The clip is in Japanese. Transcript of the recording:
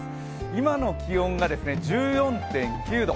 今の気温が１４．９度。